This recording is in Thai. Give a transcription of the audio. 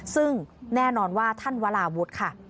ซึ่งแน่นอนว่าท่านวราวุฒิค่ะ